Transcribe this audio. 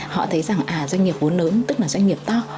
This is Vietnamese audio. họ thấy rằng à doanh nghiệp vốn lớn tức là doanh nghiệp to